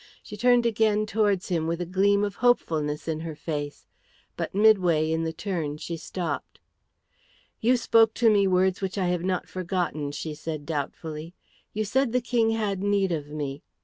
She turned again towards him with a gleam of hopefulness in her face, but midway in the turn she stopped. "You spoke to me words which I have not forgotten," she said doubtfully. "You said the King had need of me.